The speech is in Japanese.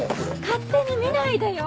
勝手に見ないでよ！